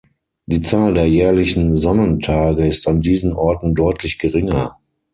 Die Zahl der jährlichen Sonnentage ist an diesen Orten deutlich geringer.